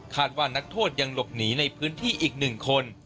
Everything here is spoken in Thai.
ว่านักโทษยังหลบหนีในพื้นที่อีก๑คน